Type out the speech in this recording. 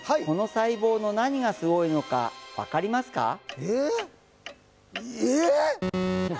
この細胞の何がスゴイのか分かりますか？